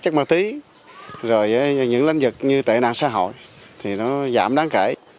chất mạc tí rồi những lãnh vực như tệ nạn xã hội thì nó giảm đáng kể